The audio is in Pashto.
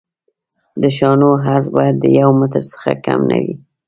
د شانو عرض باید د یو متر څخه کم نه وي